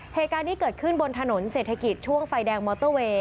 เหตุการณ์นี้เกิดขึ้นบนถนนเศรษฐกิจช่วงไฟแดงมอเตอร์เวย์